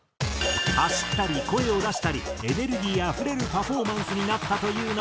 走ったり声を出したりエネルギーあふれるパフォーマンスになったというのがこちら。